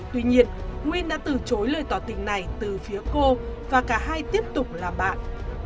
tuy nhiên nguyên đã từ chối lời tỏ tình này từ phía cô và cả hai tiếp tục là bạn